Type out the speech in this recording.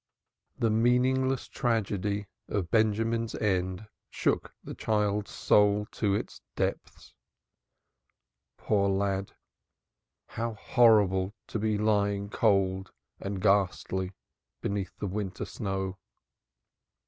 The meaningless tragedy of Benjamin's end shook the child's soul to its depths. Poor lad! How horrible to be lying cold and ghastly beneath the winter snow!